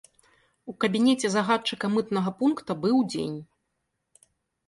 У кабінеце загадчыка мытнага пункта быў дзень.